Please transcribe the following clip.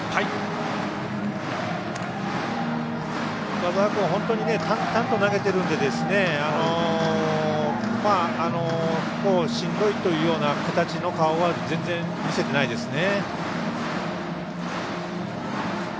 深沢君、本当に淡々と投げてるんでしんどいというような顔は全然見せていないですね。